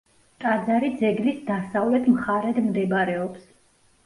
ტაძარი ძეგლის დასავლეთ მხარედ მდებარეობს.